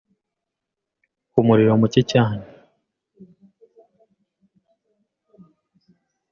ku muriro muke cyane